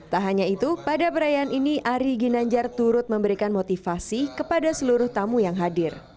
tak hanya itu pada perayaan ini ari ginanjar turut memberikan motivasi kepada seluruh tamu yang hadir